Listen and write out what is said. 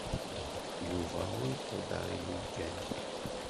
Yuba ur iquder ilugan.